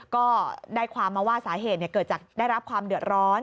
ก็ได้ความมาว่าสาเหตุเกิดจากได้รับความเดือดร้อน